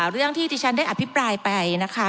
เรื่องที่ที่ฉันได้อภิปรายไปนะคะ